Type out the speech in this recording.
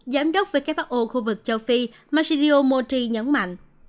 giám đốc who khu vực châu phi masidio moti nhấn mạnh